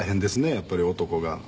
やっぱり男が。